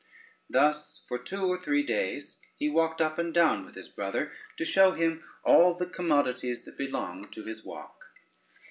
Thus for two or three days he walked up and down with his brother to show him all the commodities that belonged to his walk.